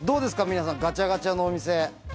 皆さんガチャガチャのお店。